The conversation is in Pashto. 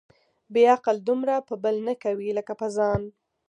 بې عقل دومره په بل نه کوي ، لکه په ځان.